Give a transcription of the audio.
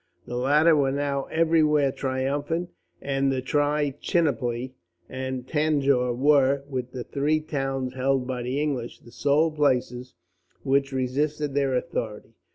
The latter were now everywhere triumphant, and Trichinopoli and Tanjore were, with the three towns held by the English, the sole places which resisted their authority.